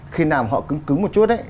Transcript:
khi nào họ cứng cứng một chút ấy